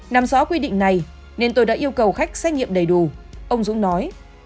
nằm rõ quy định này nên tôi đã yêu cầu khách xét nghiệm đầy đủ ông dũng nói